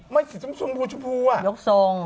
มันสูงบูชบูน่ะยกทรง